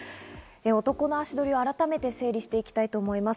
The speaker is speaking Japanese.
男の足取りを改めて整理していきます。